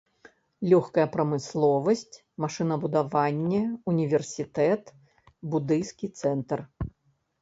Лёгкая прамысловасць, машынабудаванне, універсітэт, будыйскі цэнтр.